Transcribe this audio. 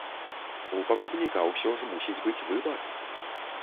У пакупніка ўсё ж мусіць быць выбар.